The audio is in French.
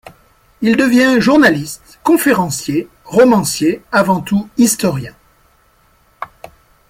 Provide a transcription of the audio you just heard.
Il devient journaliste, conférencier, romancier, avant tout historien.